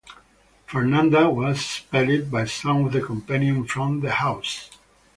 Fernanda was expelled by some of her companions from the house.